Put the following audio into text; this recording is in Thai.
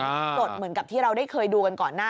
จดเหมือนกับที่เราได้เคยดูกันก่อนหน้า